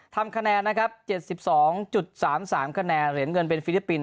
ทำคะแนนนะครับ๗๒๓๓คะแนนเหรียญเงินเป็นฟิลิปปินส